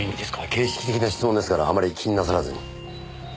形式的な質問ですからあまり気になさらずに。